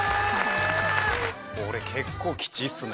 俺結構きちいっすね